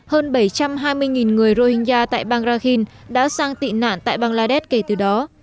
hơn bảy trăm hai mươi người rohingya tại bangladesh đã sang tị nạn tại bangladesh kể từ đó